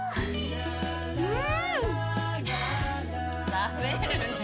食べるねぇ。